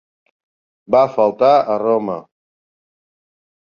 Va faltar a Roma.